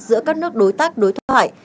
giữa các nước đối tác đối thoại